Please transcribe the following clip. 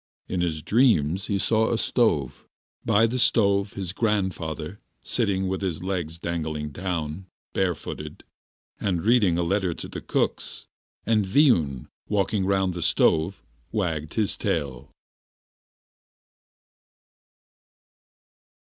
In his dreams he saw a stove, by the stove his grandfather sitting with his legs dangling down, barefooted, and reading a letter to the cooks, and Viun walking round the stove wagging his tail.